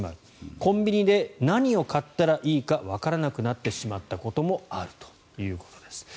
コンビニで何を買ったらいいかわからなくなってしまったこともあるということです。